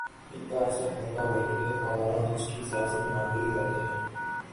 ان کا اصل حلقہ وہی ہے، مولانا جس کی سیاسی نمائندگی کرتے ہیں۔